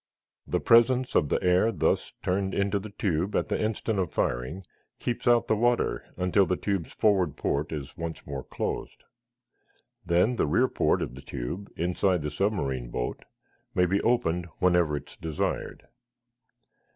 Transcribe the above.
The presence of the air thus turned into the tube at the instant of firing keeps out the water until the tube's forward port is once more closed. Then the rear port of the tube, inside the submarine boat, may be opened whenever it is desired.